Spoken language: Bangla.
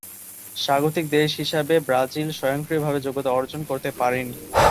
স্বাগতিক দেশ হিসাবে ব্রাজিল স্বয়ংক্রিয়ভাবে যোগ্যতা অর্জন করতে পারেনি।